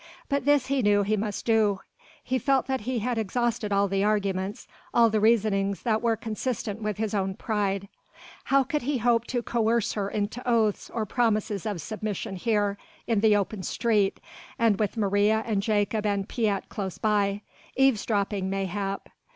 But this he knew that he must do. He felt that he had exhausted all the arguments, all the reasonings that were consistent with his own pride; and how could he hope to coerce her into oaths or promises of submission here in the open street and with Maria and Jakob and Piet close by eavesdropping mayhap?